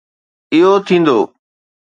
اهو ٿيندو.